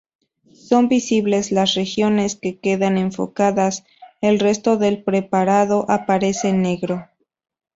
Son visibles las regiones que quedan enfocadas, el resto del preparado aparece negro.